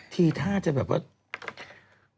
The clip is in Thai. ทีท่าจะแบบว่า